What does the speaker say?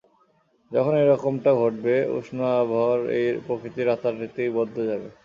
যখন এরকমটা ঘটবে, উষ্ণ আবহাওয়ার এই প্রকৃতি রাতারাতি বদলে যাবে।